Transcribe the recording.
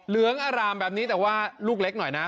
เหลืองอารามแบบนี้แต่ว่าลูกเล็กหน่อยนะ